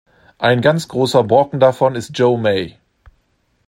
Ein ganz großer Brocken davon ist Joe May.